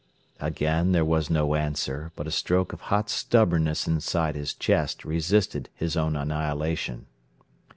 Again there was no answer, but a stroke of hot stubbornness inside his chest resisted his own annihilation.